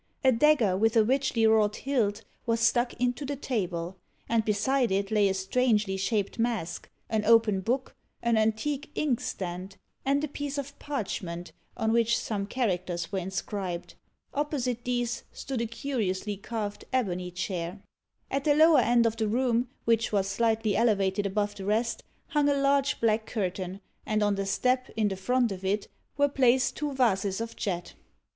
A dagger, with a richly wrought hilt, was stuck into the table; and beside it lay a strangely shaped mask, an open book, an antique inkstand, and a piece of parchment, on which some characters were inscribed. Opposite these stood a curiously carved ebony chair. At the lower end of the room, which was slightly elevated above the rest, hung a large black curtain; and on the step, in the front of it, were placed two vases of jet.